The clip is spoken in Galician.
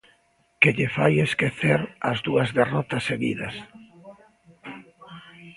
Que lle fai esquecer as dúas derrotas seguidas.